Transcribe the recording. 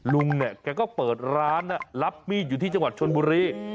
ลุงเนี่ยแกก็เปิดร้านรับมีดอยู่ที่จังหวัดชนบุรี